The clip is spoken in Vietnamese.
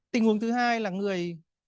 tình huống thứ hai là người